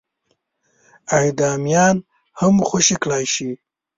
اعدامیان هم خوشي کړای شي.